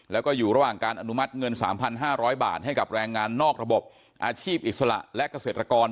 แล้วก็อยู่ระหว่างการอนุมัติเงิน๓๕๐๐บาทให้กับแรงงานนอกระบบอาชีพอิสระและเกษตรกร